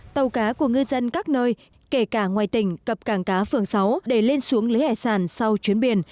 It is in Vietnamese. tàu cá của ngư dân các nơi kể cả ngoài tỉnh cập cảng cá phường sáu để lên xuống lấy hải sản sau chuyến biển